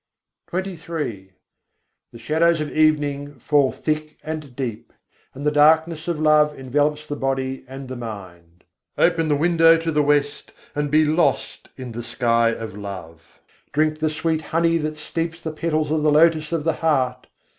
40. tinwir sâñjh kâ gahirâ âwai The shadows of evening fall thick and deep, and the darkness of love envelops the body and the mind. Open the window to the west, and be lost in the sky of love; Drink the sweet honey that steeps the petals of the lotus of the heart.